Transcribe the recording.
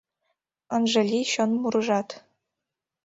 Ынже лий чон мурыжат.